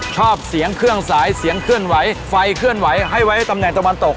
ชอบเสียงเครื่องสายเสียงเคลื่อนไหวไฟเคลื่อนไหวให้ไว้ตำแหน่งตะวันตก